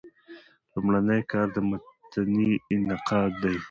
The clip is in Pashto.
لومړنی کار د متني نقاد دﺉ.